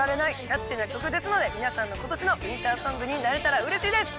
キャッチーな曲ですので皆さんの今年のウインターソングになれたらうれしいです